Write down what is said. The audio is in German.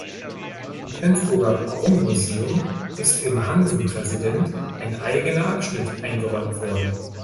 Im Flensburger Rum-Museum ist dem "Hansen Präsident" ein eigener Abschnitt eingeräumt worden.